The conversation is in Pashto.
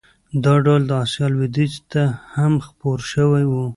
دا ډول د اسیا لوېدیځ ته هم خپور شوی و.